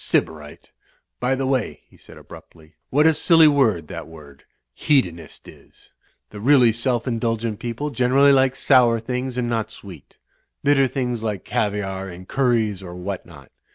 "Sybarite! By the way," he said abruptly, "what a silly word that word 'Hedonist' is! The really self indulgent people generally like sour things and not sweet; bitter things like caviare and curries or what not.